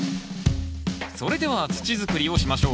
それでは土づくりをしましょう。